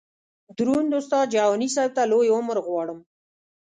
دروند استاد جهاني صیب ته لوی عمر غواړم.